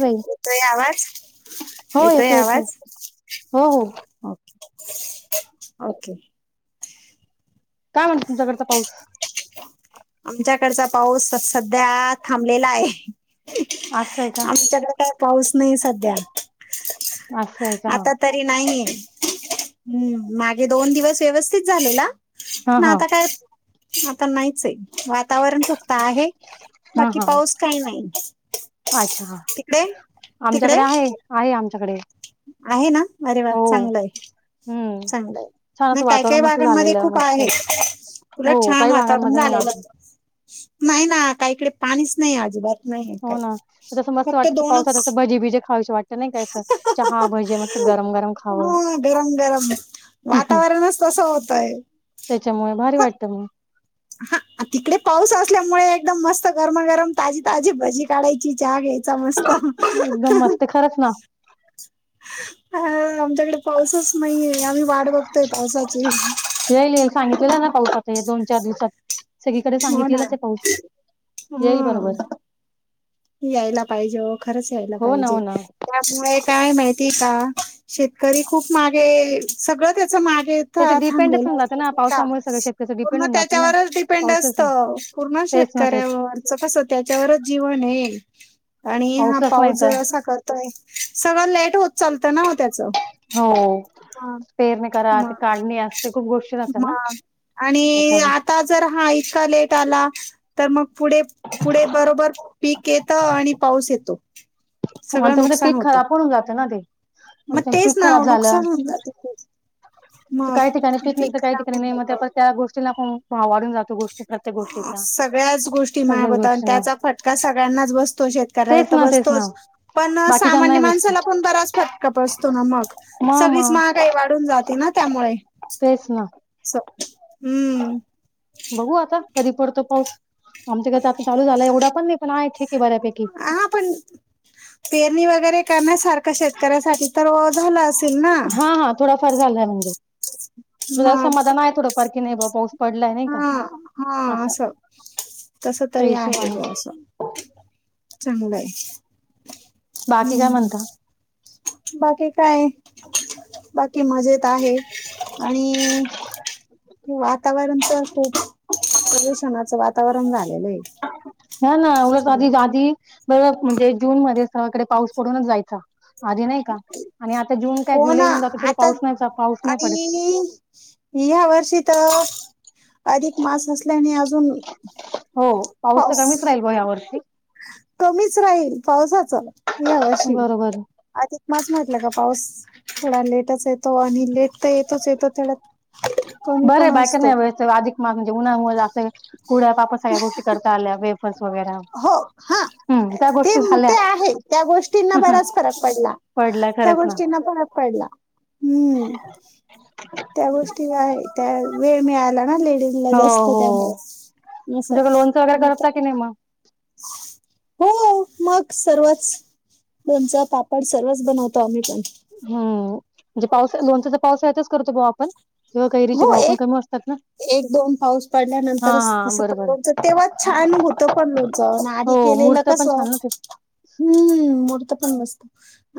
ताई येतोय आवाज? हो येतोय येतो आवाज? हो हो ओके. काय म्हणत तुमच्याकडचा पाऊस? आमच्याकडचा पाऊस सध्या थांबलेला आहे. असय का? आमच्याकडे काय पाऊस नाहीय सध्या. असं आहे का आता तरी नाही, [unintelligible] हम् मागे दोन दिवस व्यवस्थित झालेला हा पण हा आता काय, आता नाहीच आहे, वातावरण फक्त आहे हा बाकी हा पाऊस काही नाही अच्छा हा तिकडे, तिकडे, आमच्याकडे आहे [unintelligible] आहे आमच्याकडे आहे ना, अरे वा! हो चांगलंय हम्म चांगलंय, छान असं नाही काय वातावरण काय मस्त भागांमध्ये झालेलं खूप मस्त आहे तुला हो छान काही वातावरण भागांमध्ये नाही झाले, अजून नाही ना! काहीकडे पाणीच नाही आजिबात हो ना, जसं मस्त वाटत पावसात असं भजी बीजी खावीशी वाटत नाही काय असं, चहा भजे मस्त गरम गरम खावं हा [unintelligible] वातावरणच तस होत् त्याच्यामुळे भारी वाटत मं अंहं तिकडे पाऊस असल्यामुळे एकदम मस्त गरमागरम ताजी ताजी भजी काढायची, चहा घ्यायची. समजत हं एकदम मस्त खरंच ना हं [unintelligible] इकडे पाऊसच नाहीये, आम्ही वाट बघतोय पावसाची हंहं हे दोन चार दिवसात, सगळीकडे हो ना. सांगितलेलाच आहे पाऊस, येईल हम्म बरोबर यायला पाहिजे हो, खरंच यायला हो ना हो पाहिजे, ना त्यामुळे काय माहितीय का शेतकरी खूप मागे, सगळं त्या तं मागे थ त्याचं डिपेंडच थांबलेलं होऊन होतं जातं ना माहीती आहे का? पावसामुळे सगळं शेतकऱ्याचं प डिपेंड मग होऊन जाते ना त्याच्यावरच डिपेंड पाऊसच ना असतं [unintelligible] पूर्ण तेच ना तेच शेतकऱ्यावरचं कसं, त्याच्यावरच जीवन आहे आणि हा पाऊसच नाही पाऊस तर जर असा करतोय, सगळं लेट होत चालतं ना हो त्याच हो हं पेरणी करा म ते काढणी असते खूप गोष्टी राहतात ना मग आणि त्याच्यामुळे आता जर हा इतका लेट आला, तर म पुढे, पुढे बरोबर पिक नी पाऊस येतो सगळं [unintelligible] म्हणे नुकसान पीक होतं खराब पण होऊन जातं ना ते, मग तेच पीक ना खराब हो झालं नुकसान होऊन जातं खूप त मग काही ठिकाणी पिक पीक निघतं, तर काही खराब ठिकाणी होऊन नाही, मग त्या जातं परत त्या गोष्टींला परत भाव वाढून जातो गोष्टी प्रत्येक [unintelligible] गोष्टीचा सगळ्याच गोष्टी महाग सगळ्याच होतात आणि गोष्टींना त्याचा फटका सगळ्यांनाच बसतो. शेतकऱ्याला तेच तर ना बस तेच ना तोच पणं, बाकीच्यांना सामान्य नाही बेस्ट माणसाला पण बराच फटका बसतो ना मग, मग सगळीच मग महागाई वाढून जाते ना त्यामुळे, तेच ना [unintelligible] हम् बघू आता, कधी पडतो पाऊस, आमच्याकडे तर आतात चालू झालाय, एवढा पण नाही पण आहे ठिक हां पण, पेरणी वगैरे करण्यासार [unintelligible] शेतकऱ्यासाठी तर वो झालं असेल ना! हा [unintelligible] समाधान आहे थोडफार की नाही बाबा पाऊस पडलाय नाही का हां हां असं तस त्या तरी आहे हिशोबाने बुवा असं, चांगलं आहे बाकी काय हम्म म्हणतां बाकी काय, बाकी मजेत आहे, आणि वातावरण खूप खूप प्रदूषणाचं वातावरण झालेलं आहे. हों ना उगाच! सगळं आपली गादी [unintelligible] म्हणजे जून मध्ये सगळकडे पाऊस पडूनच जायचा, आधी नाही का? आणि आता जून काय हो जुलै ना होउन जातो, तरी आता पाऊस नाहीच, पाऊस नाही पडत. आणि ह्या वर्षी तर, अधिक मास असल्याने अजू जून हो तर पाऊस कमीच राहील ब यावर्षी कमीच राहील पावसाचा, ह्या वर्षी बरोबर अधिक मास माहित आपल्या कडं पाऊस, थोडा लेटच येतो आणि लेट तो येतोच येतो, त्याला कमी बरं आहे पण बायका नाही असतो वेळेस अधिक म्हणजे, उन्हामुळे जास्त कुरड्या, पापड सगळ्या गोष्टी करता आल्या [unintelligible] हो हां हम्म त्या ते, गोष्टी झाल्या ते आहे त्या गोष्टींना बराच फरक पडला. पडल्या त्या खरंच ना गोष्टींना फरक पडला हम्म. त्या गोष्टी आहे त्या वेळ मिळाला ना लेडीजला जास्त त्यामुळे तुझाकडे लोणचा वगैरे करता की नाही मग? हो हो मग सर्वच लोणचं, पापड सर्वच बनवतो आम्ही पण. हम्म म्हणजे पाऊस लोणचाच पावसाळ्यातच करतो ओ आपण किंवा कैरीचे हो भाव पण एक कमी असतात ना. एक दोन पाऊस हा पडल्यानंतरच हा तसं पण बरोबर लोणचं तेव्हाच छान होतं पण लोणचं आणि आदी केलं मुर्त पण छान न ते. हम्म मूर्त पण मस्त.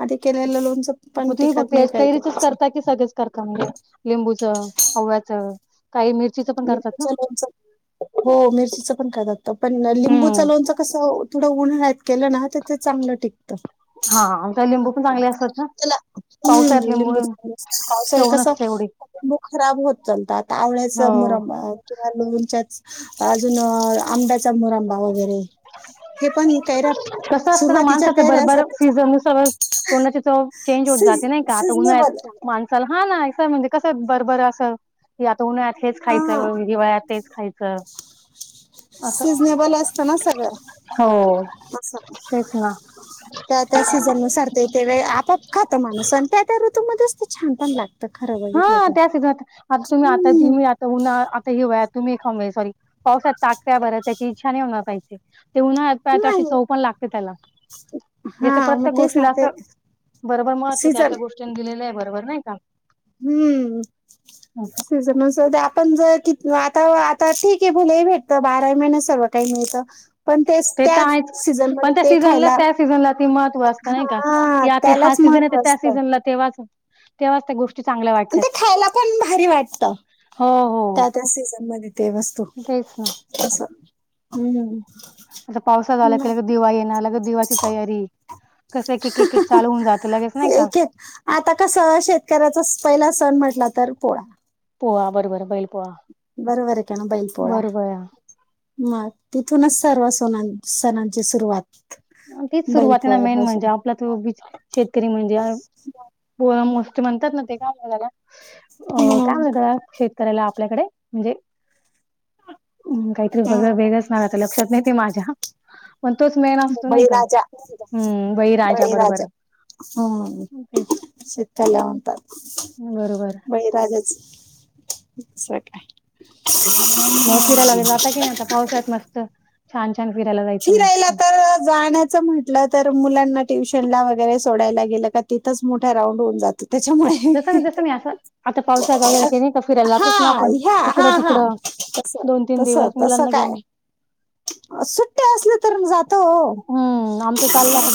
आधी केलेलं लोणचं म पण तुम्ही टिकत फक्त नाही याच काही काैरीचच काहीच करता की सगळेंच करता म्हणजे? लिंबूच, आवळ्याचा लिंबूचा लोणचं हो मिरचीचं पण करतात पण लिंबू च हम्म लोणच कसं थोडं उन्हाळ्यात केलं ना तर ते चांगलं टिकतं. हा आमच्या लिंबू पण चांगले असतात. ना. त्याला पावसाळ्यात हम्म लिंबू लिंबूचा [inaudible] पावसाळ्यात चव कसा नसते एवढी. बो खराब होत चलतात आवळ्याचा हो मुरब्बा किंवा लोणच्याच अजून आंब्याचा मुरांबा वगैरे हे पण काय रहात कसं असतं न माणसाचं बरोबर सीझन नुसार तोंडाची चव चेंज होत सीझ जाते नाही का आता सीझनेबल उन्हाळ्यात माणसाला हा नाय तर काय म्हणजे कसं बरबरं असं या तो ना ह्यायतलेच हा खायचं, हिवाळ्यात तेच खायचं असं सीझनेबल हो. अस तेच ना त्या त्या सीझन नुसार ते ते वेळ आपोआप खातो माणूस आणि त्या त्या ऋतूमध्येच ते छानपण लाग हा त्या सीजन आता आता तुम्ही आता हम्म, तुम्ही आता उन्हाळा आता हिवाळ्यात तुम्ही हे खाऊन घ्या सॉरी पावसात टाकत्या बरं त्याची इच्छा नाही होणार ताई ते ते उन्हाळ्यात पाय तशी नाही चव पण लागते त्याला जसं हा मग प्रत्येक तेच ना गोष्टीला ते असं बरोबर महत्व त्या सीझन त्या गोष्टीं दिलेलं आहे बरोबर नाही. हम्म का? सीजन नुसार ते आपण जर कि आता आता ठीक आहे भले भेटतं बारा महिन्यात सर्व काही मिळतं पण तेच ते तर त्याच आहेच सीझन पण मध्ये त्या ते सीझनला खायला त्या सीझनला ती महत्व असतं नाही का हा [unintelligible] त्यालाच सीजन येत महत्त्व त्या असतं सीझनला तेव्हाच तेव्हा त्या गोष् ते खायला पण भारी वाटतं. हो हो त्या त्या सीझन मध्ये ते वस्तू तेच ना असं हम्म. आता पावसा झाला की लगेच दिवाळी येणार लगेच दिवाळीची तयारी. कसं एक एक एक चालू होऊन जातं लगेच नाही का एक एक आता कस शेतकऱ्याचा पहिला सण म्हंटला तर पोळा. पोळा बरोबर बैल पोळा. बरोबर आहे की ना बैल पोळा मग तिथूनच सर्व सु सणांन हो सणांची सुरूवात. तीच सुरुवातीना मेन म्हणजे आपला तो बीच शेतकरी आ म्हणजे पोळा मो ते म्हणतात ना ते काय झालं अ काय मग म्हणतात हे करायला आपल्याकडे म्हणजे हम काहीतरी अं, बघा वेगंळच नाव आहे आता लक्षात नाही ते माझ्या पण तोच मेन असतो नाही का बळीराजा हम्म बरोबर बळीराजा हम्म तेच असं त्याला म्हणतात बरोबर. बळीराजाच. मग फिरायला वगैरे जाता की नाही आता पावसाळ्यात मस्त [unintelligible] छान छान फिरायला जायचं फिरायला मस्त. तर जाण्याचं म्हंटलं तर मुलांना ट्यूशनला वगैरे सोडायला गेलं का तिथंच मोठ्या राऊंड होऊन जात तेच्यामुळे जसं जसं मी असं आता पावसाळा चालू झाला की नाही का फिरायला जातोच ना हा, आपण ह्या, इकडं हा, हा तिकडं तस दोन तीन तस दिवस तस मुलांना काय घेऊन सुट्टया आसल्या तर म जातो ओ [inaudible] हम्म आमचं चाललंय आता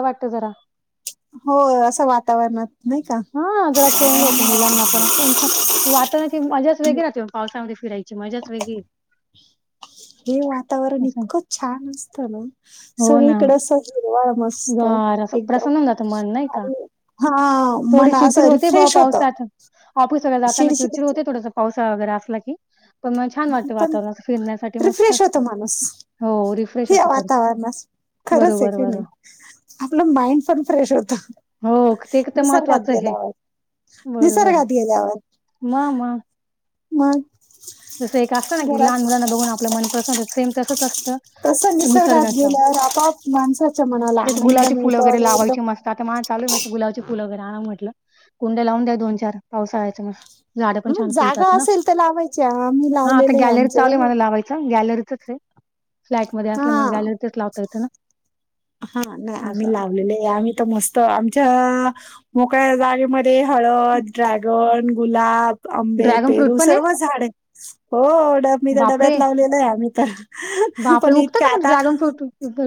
वाट जरा हो आसं वातावरणात नाही का हा जरा चेंज होतो मुलांना पण आस [unintelligible] की वातावरणाची मजाच वेगळी राहते पावसामध्ये फिरायची मजाच वेगळी हे वातावरण असं इतकं छान असत ना हो ना सगळीकड अस हे [unintelligible] मस्त गार असं एकदम प्रसन्न होऊन जातं मन नाही का आणि हा मन आसं रिफ्रेश होत ऑफिसला जाताना चिडचिड होते थोडस पावसाळा वगैरे आसला की पण म छान वाटतं पण वातावरण असं फिरण्यासाठी मस्त रिफ्रेश असत. होतो माणूस हो रिफ्रेश या होत खरच वातावरणात खरंच आहे बरोबर की बरो नाही आपलं माइंड पण फ्रेश होत हो ते तर निसर्गात महत्त्वाचं आहे. गेल्यावर बरोबर निसर्गात मग मग [unintelligible] मग जसं एक असंत ना की लहान घरात मुलांना बघून आपलं मनपसन सेम तसच अस त तसं निसर्गात निसर्गाचा गेल्यावर आपोआप माणसाच्या मनाला ज इथं आनंद गुलाबची फुल मिळतो वगैरे आणि एकदम लावायची मस्त आता मा चालू मस्त गुलाबची फुल वगैेरे आण म्हटलं कुंड्या लावून द्या दोन चार पावसाळ्याचा म झाडं पण मग छान जागा फुलतात ना असेल तर लावायची आम्ही हा आता लावलेले आहे गॅलरीत चालू आहे आमच्याकडे मला लावायचं गॅलरीतच हे फ्लॅट मध्ये हा असल्यामुळे गॅलरीतच लावता येत ना. हा नाही आम्ही असं लावलेले आम्ही तर मस्त आमच्या मोकळ्या जागेमध्ये ते हळद, ड्रॅगन, गुलाब, आंबे, ड्रॅगन फ्रूट पेरू पण आहे सर्व झाडे हो डब मी त्या डब्यात बापरे लावलेलं आहे आम्ही तर बापरे पण उगतं इतका का म्हणजे आता ड्रॅगन फ्रूट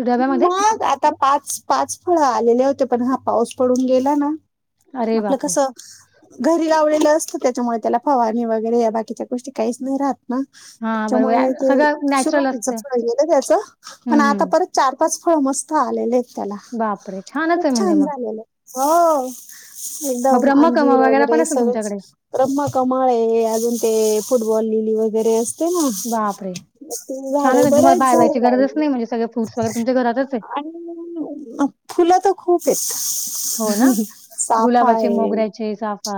डब्यामध्ये मग आता पाच पाच फळ आलेले होते पण हा पाऊस पडून गेला ना अरे आपलं बापरे कस घरी लावलेलं त्याच्यामुळे त्याला फवारनी वगैरे या बाकीच्या गोष्ट काहीच नाही राहत म हा तेच्यामुळे बरोबर ते सगळं नॅचरल असतं सुरवातीचच पाहिजे ना त्याच पण हम्म आता हम्म परत चार पाच [unintelligible] मस्त आलेले आहेत त्याला बापरे छानच खूप आहे म्हणजे छान मग झालेले हो मग एकदम ब्रह्मकम अंजीर पण वगैरे असेल सगळेच तुमच्याकडे र्रम कमळ हे आजून ते फुल वलेली वगैेरे असते ना बापरे तेजी झाडे छानच आहे तुम्हाला बरेच बाहेर झाडे जायची गरजच लावलेली नाही म्हणजे सगळे फ्रुट्स वगैरे आहेत. तुमच्या घरातच आहे आणि फुलं तर खूप हेत हो ना गुलाबाचे, मोगऱ्याचे, साफा,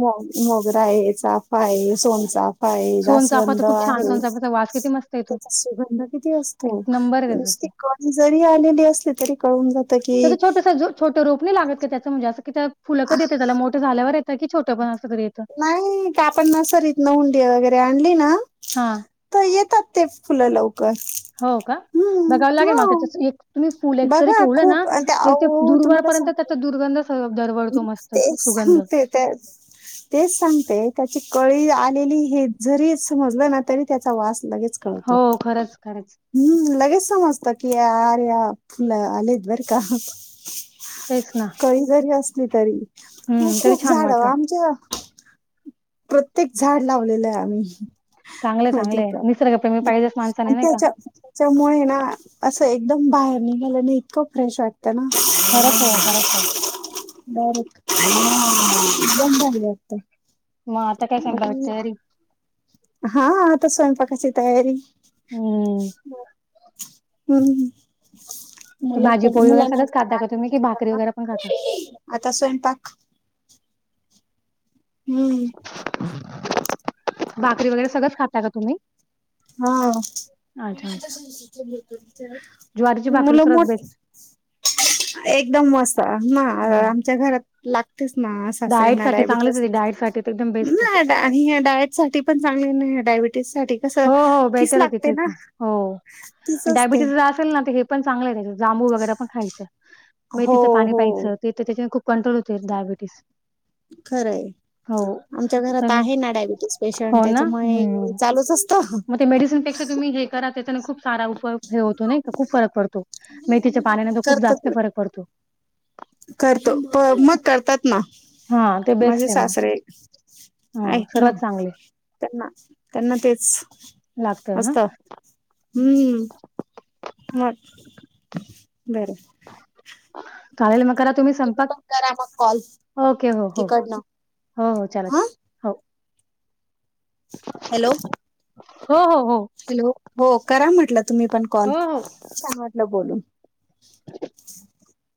मो मोगरा आहे, चाफा आहे, सोनचाफा आहे, सोनचाफा तर जास्वंद खूप छान आहे. सोनचाफाचा वास किती मस्त येतो तेचा सुगंध किती असतो एक नंबर आहे त्याचा नुसती कळी जरी आलेली असली तरी कळून जात तेज की छोटस छोट रोप नाही लागत का त्यांच म्हणजे आसं की त्या फुलं कधी येते त्याला मोठ झाल्यावर ये त की छोट पण आस नाही का आपण सरीतन हुंडी वगैरे आणली ना हां. त येतात ते फुलं लव कर हो का? हम् बघावं लागेल हा मला त्याचं एक तुम्ही फुल एक जरी बघा ठेवलं ना, खूप तरी ते आओ तुम्हाला दूरवरपर्यंत सांगते त्याचा दुर्गंध स दरवळतो मस्त सु तेच सुगंध. सांगते ते तेच सांगते त्याची कळी आलेली हे जरी समजलं ना तरी त्याचा वास् लगेच कळतो हो, खरंच, खरंच. हम्म लगेच समजत कीर या ु आलेत बरं का तेच ना. कही जरी असली तरी हो हं, तरी खूप छान झाड वाटतं. आमच्या प्रत्येक झाड लावलेलं आहे आम्ही चांगलंय माहिती चांगलेय का निसर्ग हो आणि त्याच्या त्याच्यामुळे ना असं एकदम बाहेर नाही मला इतको फ्रेश आत ना खरंच आहे, खरंच आहे. बर बंद झालं आत्ता मग आता काय सांगलं तयारी हा आता स्वयंपाकाची तयारी हम्म हम्म्म मुलं भाजी पण पोळी वगैरे मुलाना सगळंच खाता का तुम्ही की भाकरी वगैरे पण खाता? आता स्वयंपाक हम्म भाकरी वगैरे सगळंच खाता का तुम्ही हा ी अच्छा, अच्छा. आ ज्वारीची भाकरी सर्वात मुलंमोट बेस्ट. एकदम मसा ना हं. आमच्या घरात लागतेच ना अस डाएट सासऱ्यांना साठी डायबिट चांगलीच आहे डाएट साठी तर एकदम बेस्ट आहे. डायट साठी पण चांगले नाही ायबिटीससाठी हो हो बेटर आहे तिथे हो तीच असते डायबिटीस ज असेल ना हे पण चांगलं आहे जांबू वगैरे पण खायच्या मग हो तिथं पाणी हो पायचं तिथ त्याच्या खूप कंट्रोल होते डायबिटीस खरंय हो. आमच्या घरात तर आहे ना डायबिटीस पेशंट हो ना? त्याच्यामुळे हं. चालू तस्त मग ते मेडिसिनपेक्षा तुम्ही हे करा त्या खूप सारा उपयग हे होतो नाही का खूप फरकपडतो मेतीच्या पाण खूप करतात जास्त फरक पडतो करतो प मग करतात ना हां, ते माझे बेस्ट आहे मग. सासरे हां, आहेत ना सर्वात चांगले त्यांना त्यांना तेच लागत ना असत हम्म मग बरं कालेल मग करा तुम्ही पण संपक करा मग कॉल ओके हो हो तिकडनं हो हो चालेल हा हो हॅलो हो हो हॅलो हो करा म्हटलं तुम्ही पण कॉल हो, हो. सां म्हटलं बोलून